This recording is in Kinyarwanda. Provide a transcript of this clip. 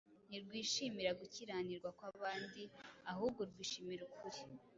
Ntirwishimira gukiranirwa kw’abandi, ahubwo rwishimira ukuri;